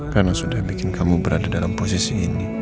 karena sudah bikin kamu berada dalam posisi yang lebih baik